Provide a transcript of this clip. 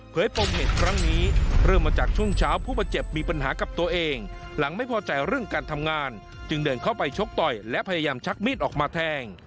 ปมเหตุครั้งนี้เริ่มมาจากช่วงเช้าผู้บาดเจ็บมีปัญหากับตัวเองหลังไม่พอใจเรื่องการทำงานจึงเดินเข้าไปชกต่อยและพยายามชักมีดออกมาแทง